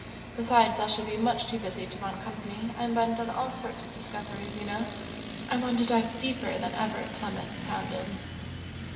Besides, I shall be much too busy to want company. I'm bent on all sorts of discoveries, you know! I want to dive 'deeper than ever plummet sounded'!"